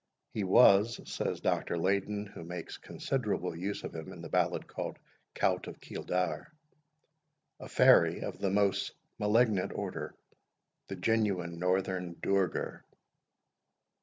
"He was," says Dr. Leyden, who makes considerable use of him in the ballad called the Cowt of Keeldar, "a fairy of the most malignant order the genuine Northern Duergar."